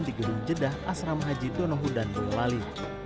di gedung jedah asram haji donohu dan bungalali